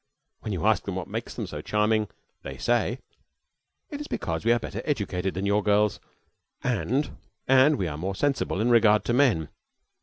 When you ask them what makes them so charming, they say: "It is because we are better educated than your girls, and and we are more sensible in regard to men.